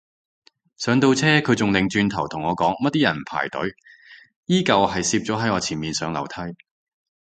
上到車佢仲擰轉頭同我講乜啲人唔排隊，依舊係攝咗喺我前面上樓梯